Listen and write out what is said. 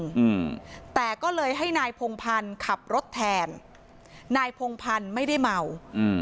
อืมแต่ก็เลยให้นายพงพันธ์ขับรถแทนนายพงพันธ์ไม่ได้เมาอืม